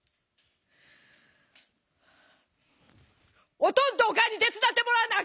「おとんとおかんに手伝ってもらわなあ